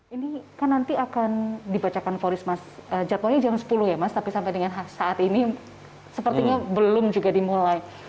ini kan nanti akan dibacakan vonis mas jadwalnya jam sepuluh ya mas tapi sampai dengan saat ini sepertinya belum juga dimulai